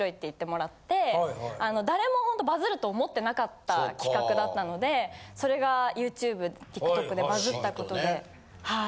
誰もほんとバズると思ってなかった企画だったのでそれがＹｏｕＴｕｂｅＴｉｋＴｏｋでバズったことではい。